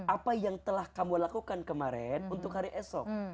apa yang telah kamu lakukan kemarin untuk hari esok